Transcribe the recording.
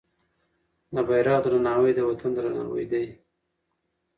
د بیرغ درناوی د وطن درناوی دی.